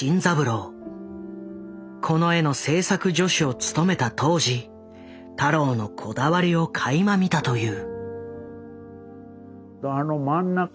この絵の制作助手を務めた当時太郎のこだわりをかいま見たという。